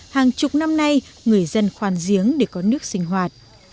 hàng chục năm nay người dân khoan giếng để có nước sinh hoạt